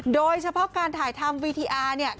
โดยเฉพาะการถ่ายทำวิทยา